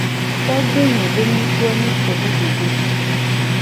Togbe nye be nyiko ye nyi foli-bebe.